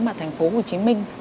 mà thành phố hồ chí minh